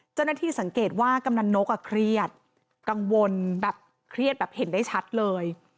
เจ้าหน้าที่สังเกตว่ากำนันนกเครียดกังวลแบบเครียดแบบเห็นได้ชัดเลย